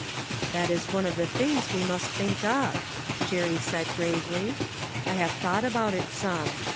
" That is one of the things we must think up," Jerry said gravely. "I have thought about it some.